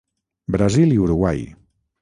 Brasil i Uruguai.